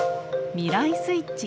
「未来スイッチ」。